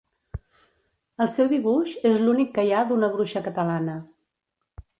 El seu dibuix és l'únic que hi ha d'una bruixa catalana.